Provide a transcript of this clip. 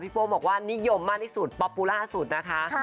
โป้บอกว่านิยมมากที่สุดป๊อปปูล่าสุดนะคะ